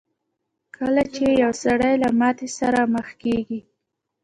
کله چې يو سړی له ماتې سره مخ کېږي.